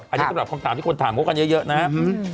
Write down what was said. อันนี้สำหรับคำถามที่คนถามเขากันเยอะนะครับ